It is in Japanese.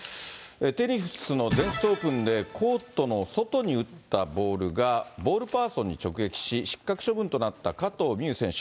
テニスの全仏オープンで、コートの外に打ったボールがボールパーソンに直撃し、失格処分となった加藤未唯選手。